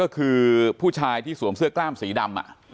คือผู้ชายที่สวมเสื้อกล้ามสีดำ